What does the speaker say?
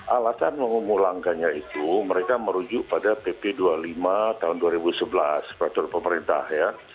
alasan mengulangkannya itu mereka merujuk pada pp dua puluh lima tahun dua ribu sebelas peraturan pemerintah ya